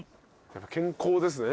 健康ですね？